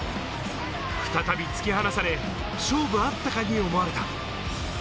再び突き放され、勝負あったかに思われた。